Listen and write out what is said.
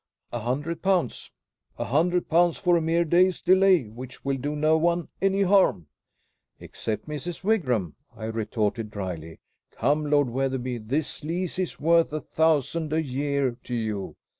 "A hundred pounds." "A hundred pounds for a mere day's delay, which will do no one any harm!" "Except Mrs. Wigram," I retorted dryly. "Come, Lord Wetherby, this lease is worth a thousand a year to you.